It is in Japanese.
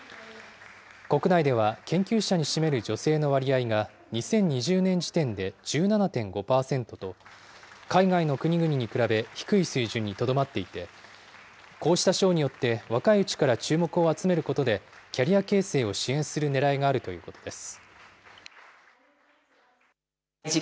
国内では研究者に占める女性の割合が２０２０年時点で１７．５％と、海外の国々に比べ低い水準にとどまっていて、こうした賞によって、若いうちから注目を集めることで、キャリア形成を支援するねらいがあるということです。